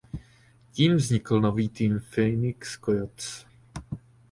Tím vznikl nový tým Phoenix Coyotes.